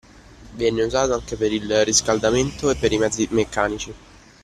Venne usato anche per il riscaldamento e per i mezzi meccanici.